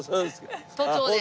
都庁で。